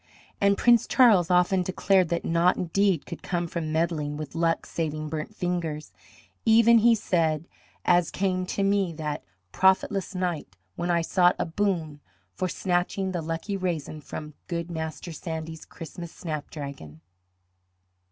And Prince Charles often declared that naught indeed could come from meddling with luck saving burnt fingers, "even," he said, "as came to me that profitless night when I sought a boon for snatching the lucky raisin from good Master Sandy's Christmas snapdragon."